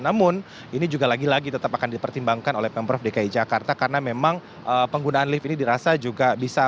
namun ini juga lagi lagi tetap akan dipertimbangkan oleh pemprov dki jakarta karena memang penggunaan lift ini dirasa juga bisa